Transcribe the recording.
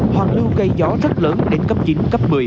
hoàng lưu gây gió rất lớn đến cấp chín cấp một mươi